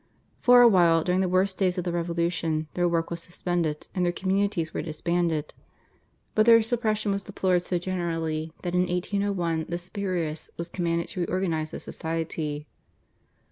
For a while during the worst days of the Revolution their work was suspended, and their communities were disbanded; but their suppression was deplored so generally that in 1801 the Superioress was commanded to re organise the society.